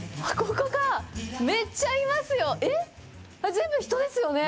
全部人ですよね。